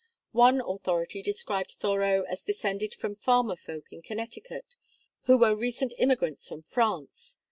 One authority described Thoreau as descended from "farmer folk" in Connecticut, who were recent immigrants from France.